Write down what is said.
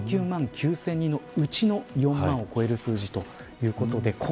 これは１９万９０００人のうちの４万を超える数字ということです。